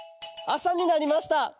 あさになりました。